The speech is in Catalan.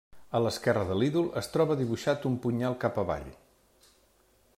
A l'esquerra de l'ídol es troba dibuixat un punyal cap avall.